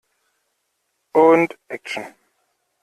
Und Action!